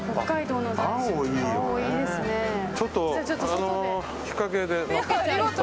ちょっと日陰で。